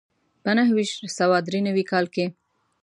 په نهه ویشت سوه دري نوي کال کې.